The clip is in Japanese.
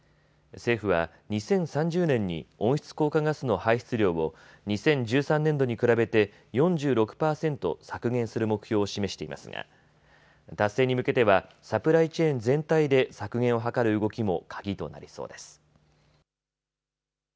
政府は２０３０年に温室効果ガスの排出量を２０１３年度に比べて４６％削減する目標を示していますが達成に向けてはサプライチェーン全体で削減を図る動きも鍵となりそうです。